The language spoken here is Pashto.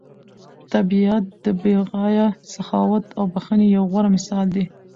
طبیعت د بې غایه سخاوت او بښنې یو غوره مثال دی.